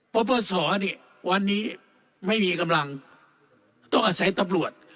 ปปศเนี่ยวันนี้ไม่มีกำลังต้องอาศัยตำรวจ